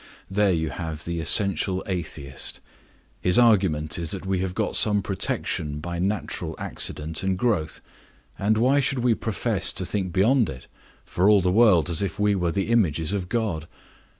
There you have the essential atheist. His argument is that we have got some protection by natural accident and growth; and why should we profess to think beyond it, for all the world as if we were the images of God!